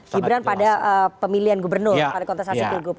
sebenarnya pada pemilihan gubernur pada kontestasi pilgrub